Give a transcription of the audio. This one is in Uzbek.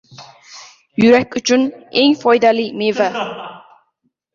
Yurak uchun eng foydali meva